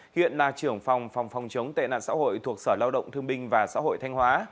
hiện là trưởng phòng phòng chống tệ nạn xã hội thuộc sở lao động thương binh và xã hội thanh hóa